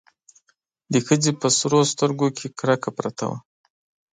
د ښځې په سرو سترګو کې کرکه پرته وه.